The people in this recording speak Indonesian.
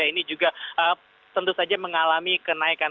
dan juga tentu saja mengalami kenaikan